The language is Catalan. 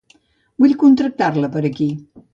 Vull contractar-la per aquí.